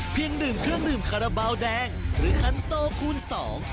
ดื่มเครื่องดื่มคาราบาลแดงหรือคันโซคูณสอง